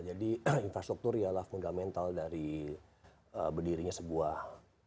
jadi infrastruktur ialah fundamental dari berdirinya sebuah